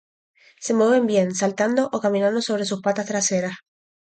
Se mueven bien, saltando, o caminando sobre sus patas traseras.